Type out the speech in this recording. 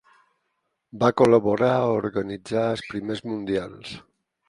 Va col·laborar a organitzar els primers mundials.